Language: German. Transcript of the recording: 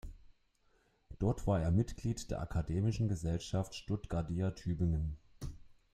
Dort war er Mitglied der Akademischen Gesellschaft Stuttgardia Tübingen.